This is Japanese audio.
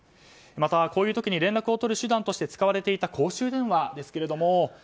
また、こういう時に連絡を取る手段として使われていた公衆電話ですが。